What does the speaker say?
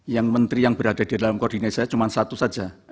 yang menteri yang berada di dalam koordinat saya cuma satu saja